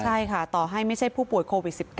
ใช่ค่ะต่อให้ไม่ใช่ผู้ป่วยโควิด๑๙